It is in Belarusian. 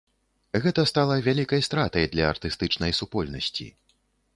Гэта стала вялікай стратай для артыстычнай супольнасці.